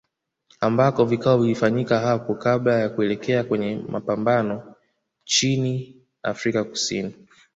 Ambapo vikao vilifanyika hapo kabla ya kuelekea kwenye mapambano nchini Afrika ya Kusini